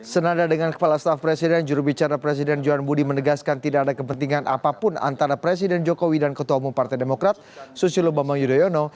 senada dengan kepala staf presiden jurubicara presiden johan budi menegaskan tidak ada kepentingan apapun antara presiden jokowi dan ketua umum partai demokrat susilo bambang yudhoyono